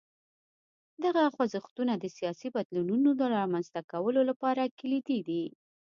دغه خوځښتونه د سیاسي بدلونونو د رامنځته کولو لپاره کلیدي دي.